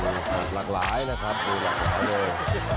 หลากหลายนะครับดูหลากหลายเลย